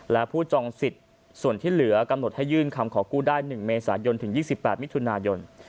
และผู้จองสิทธิ์ส่วนที่เหลือกำหนดให้ยื่นคำขอกู้ได้๑เมษายนถึง๒๘มิถุนายน